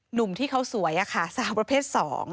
หนุ่มที่เขาสวยสาวประเภท๒